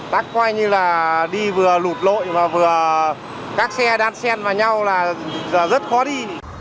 tắc qua như là đi vừa lụt lội mà vừa các xe đan xen vào nhau là rất khó đi